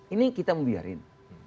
ini kita membiarkan